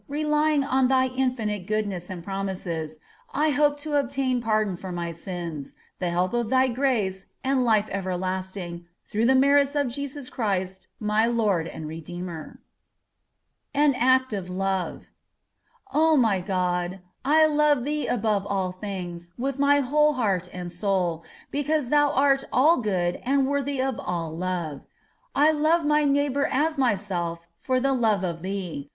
relying on Thy infinite goodness and promises, I hope to obtain pardon of my sins, the help of Thy grace, and life everlasting, through the merits of Jesus Christ, my Lord and Redeemer. AN ACT OF LOVE O my God! I love Thee above all things, with my whole heart and soul, because Thou art all good and worthy of all love. I love my neighbor as myself for the love of Thee.